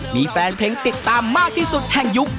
มีแฟนเพลงติดตามมากที่สุดแห่งยุค